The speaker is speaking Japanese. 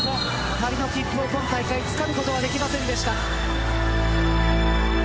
パリの切符を今大会つかむことはできませんでした。